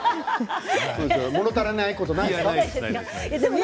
もの足りないことはないですね。